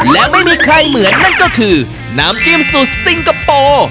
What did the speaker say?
และไม่มีใครเหมือนนั่นก็คือน้ำจิ้มสูตรซิงคโปร์